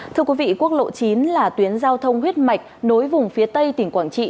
thưa quý vị quốc lộ chín là tuyến giao thông huyết mạch nối vùng phía tây tỉnh quảng trị